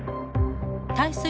対する